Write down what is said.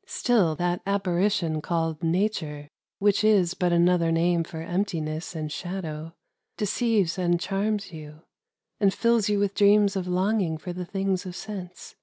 " Still that apparition called Nature — which is but another name for emptiness and shadow — deceives and charms you, and fills you with dreams of longing for the things of sense.